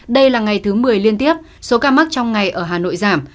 đây là ngày thứ một mươi liên tiếp số ca mắc trong ngày ở hà nội giảm